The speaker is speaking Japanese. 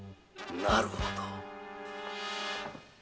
なるほど！